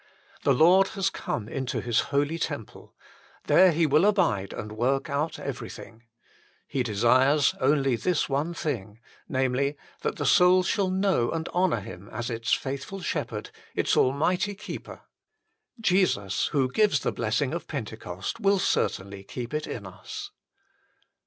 The Lord has come into His holy temple. There He will abide and work out everything. He desires only this one thing namely, that the soul shall know and honour Him as its faithful Shepherd, its Almighty Keeper. Jesus, who gives the bless ing of Pentecost, will certainly keep it in us.